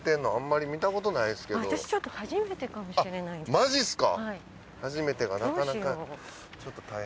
マジっすか？